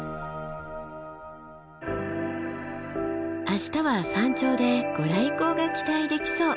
明日は山頂で御来光が期待できそう。